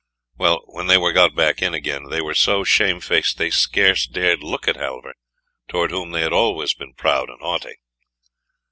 Well, when they were got back again, they were so shamefaced they scarce dared look at Halvor, towards whom they had always been proud and haughty.